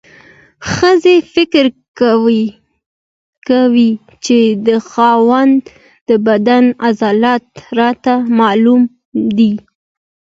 ښځې فکر وکړ چې د خاوند د بدن عضلات راته معلوم دي.